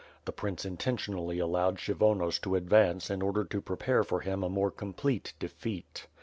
The prince intentionally allowed Kshyvonos to ad vance in order to prepare for him a more complete defeat.